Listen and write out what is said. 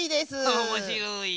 おもしろい。